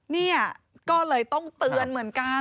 เนี่ยก็เลยต้องเตือนเหมือนกัน